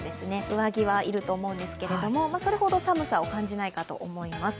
上着は要ると思うんですけれどもそれほど寒さを感じないと思います。